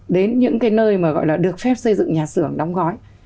đến những cái nơi mà gọi là được phép xây dựng nhà xưởng đóng gói